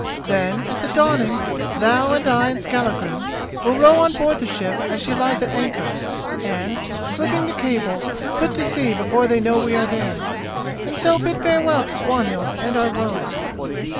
Then, at the dawning, thou and I and Skallagrim will row on board the ship as she lies at anchor, and, slipping the cable, put to sea before they know we are there, and so bid farewell to Swanhild and our woes."